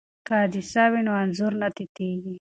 که عدسیه وي نو انځور نه تتېږي.